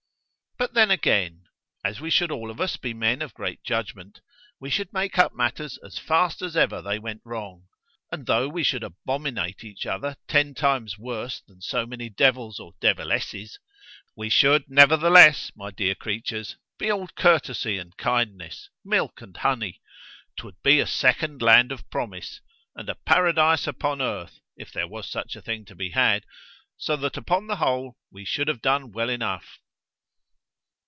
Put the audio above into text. But then again, as we should all of us be men of great judgment, we should make up matters as fast as ever they went wrong; and though we should abominate each other ten times worse than so many devils or devilesses, we should nevertheless, my dear creatures, be all courtesy and kindness, milk and honey—'twould be a second land of promise—a paradise upon earth, if there was such a thing to be had—so that upon the whole we should have done well enough.